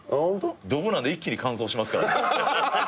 どぶなんで一気に乾燥しますからね。